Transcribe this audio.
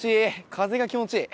風が気持ちいい。